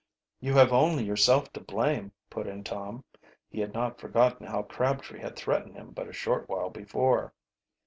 "You have only yourself to blame," put in Tom. He had not forgotten how Crabtree had threatened him but a short while before.